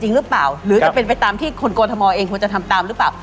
หรือเปล่าหรือจะเป็นไปตามที่คนกรทมเองควรจะทำตามหรือเปล่า